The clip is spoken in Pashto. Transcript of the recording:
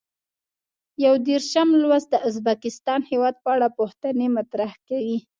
یو دېرشم لوست د ازبکستان هېواد په اړه پوښتنې مطرح کوي.